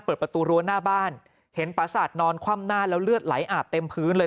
เปิดประตูรั้วหน้าบ้านเห็นปราสาทนอนคว่ำหน้าแล้วเลือดไหลอาบเต็มพื้นเลย